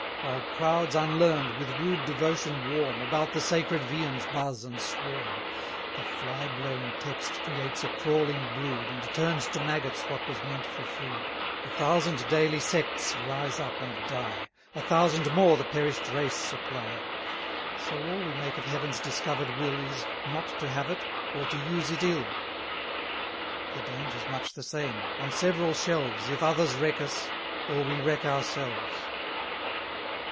While crowds unlearn'd, with rude devotion warm, About the sacred viands buzz and swarm. The fly blown text creates a crawling brood, And turns to maggots what was meant for food. 420 A thousand daily sects rise up and die; A thousand more the perish'd race supply; So all we make of Heaven's discover'd will, Is, not to have it, or to use it ill. The danger's much the same; on several shelves If others wreck us, or we wreck ourselves.